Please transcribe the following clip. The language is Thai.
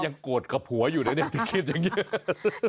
ยังโกรธกับหัวอยู่ในเนี่ยถึงคิดอย่างเยอะ